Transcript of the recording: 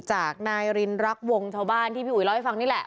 จากนายรินรักวงชาวบ้านที่พี่อุ๋ยเล่าให้ฟังนี่แหละ